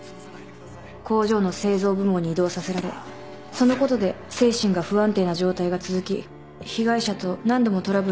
工場の製造部門に異動させられそのことで精神が不安定な状態が続き被害者と何度もトラブルを起こしていた。